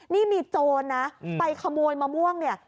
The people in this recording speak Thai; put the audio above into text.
นี่มีโจรนะไปขโมยมะม่วงเนี่ย